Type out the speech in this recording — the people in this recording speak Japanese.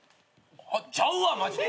ちゃうわマジで！